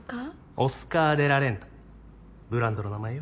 オスカー・デ・ラ・レンタブランドの名前よ